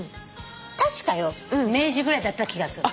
確かよ明治ぐらいだった気がする。